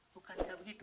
bukan tidak begitu